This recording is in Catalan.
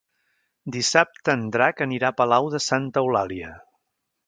Dissabte en Drac anirà a Palau de Santa Eulàlia.